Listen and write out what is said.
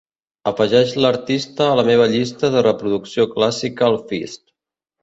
Afegeix l'artista a la meva llista de reproducció Classical Feast.